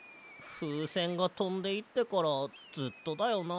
ふうせんがとんでいってからずっとだよな。